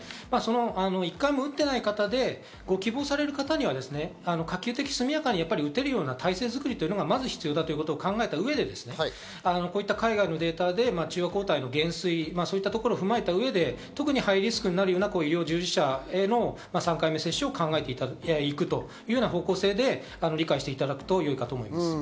１回も打ってない方でご希望される方には可及的速やかに打てるような体制づくりがまず必要だということを考えた上でこういった海外のデータで中和抗体の減衰、そういったことを踏まえた上で、ハイリスクになるような医療従事者への３回目接種を考えていくというような方向性で理解していただくと良いかと思います。